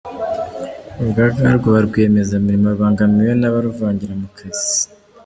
Urugaga rwaba rwiyemeza mirimo rubangamiwe n’abaruvangira mu kazi